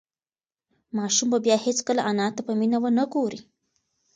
ماشوم به بیا هیڅکله انا ته په مینه ونه گوري.